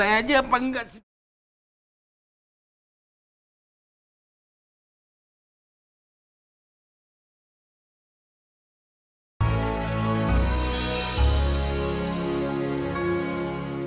hanya tahu punya promoisi